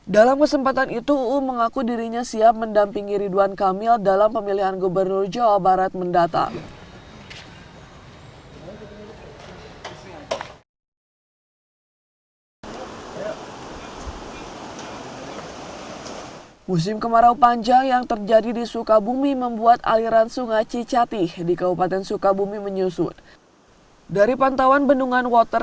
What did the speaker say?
dalam kesempatan itu uu mengaku dirinya siap mendampingi ridwan kamil dalam pemilihan gubernur jawa barat mendatang